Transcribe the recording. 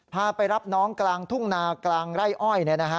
พาไปรับน้องกลางทุ่งนากลางไร่อ้อย